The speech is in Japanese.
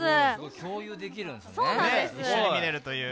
共有できるんですね。